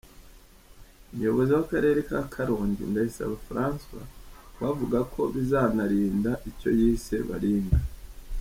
Umuyobozi w’Akarere ka Karongi, Ndayisaba Francois, we avuga ko bizanarinda icyo yise baringa.